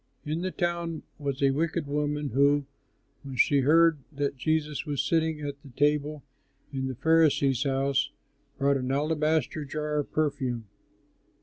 In the town was a wicked woman who, when she heard that Jesus was sitting at the table in the Pharisee's house, brought an alabaster jar of perfume.